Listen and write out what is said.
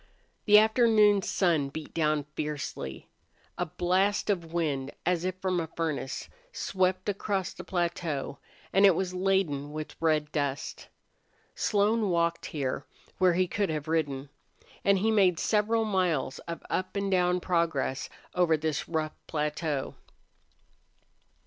The afternoon sun beat down fiercely. A blast of wind, as if from a furnace, swept across the plateau, and it was laden with red dust. Slone walked here, where he could have ridden. And he made several miles of up and down progress over this rough plateau.